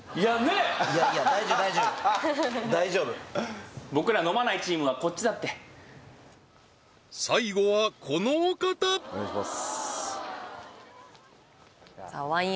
えいやいや大丈夫大丈夫大丈夫僕ら飲まないチームはこっちだって最後はこのお方お願いしますさあワイン